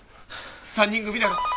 ３人組だろ？